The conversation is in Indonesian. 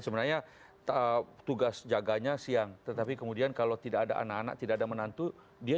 sebenarnya tugas jaganya siang tetapi kemudian kalau tidak ada anak anak tidak ada menantu dia